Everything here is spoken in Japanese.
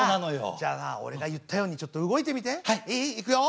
じゃあさ俺が言ったようにちょっと動いてみて。